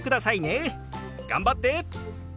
頑張って！